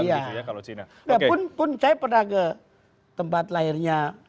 iya pun saya pernah ke tempat lahirnya